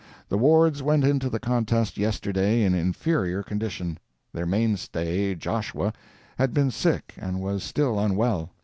The Wards went into the contest yesterday in inferior condition. Their mainstay, Joshua, had been sick and was still unwell.